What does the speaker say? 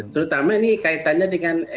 terutama ini kaitannya dengan